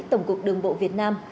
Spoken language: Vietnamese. tổng cục đường bộ việt nam